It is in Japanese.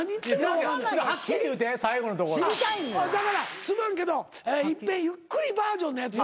だからすまんけど一遍ゆっくりバージョンのやつ。